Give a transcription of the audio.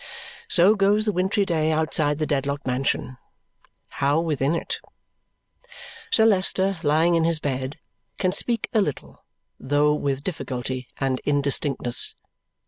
So goes the wintry day outside the Dedlock mansion. How within it? Sir Leicester, lying in his bed, can speak a little, though with difficulty and indistinctness.